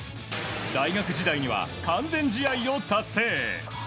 大学時代には完全試合を達成。